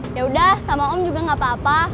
yaudah sama om juga nggak apa apa